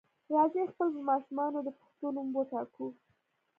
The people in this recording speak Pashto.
راځئ خپل په ماشومانو د پښتو نوم وټاکو.